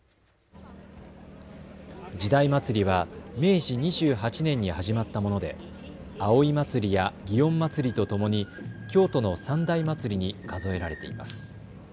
時代祭は明治２８年に始まったもので葵祭や祇園祭とともに京都の三大祭りに数えられています。